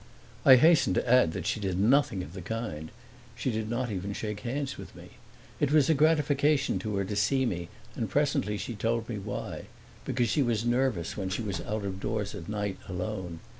I hasten to add that she did nothing of the kind; she did not even shake hands with me. It was a gratification to her to see me and presently she told me why because she was nervous when she was out of doors at night alone.